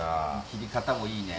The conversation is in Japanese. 切り方もいいね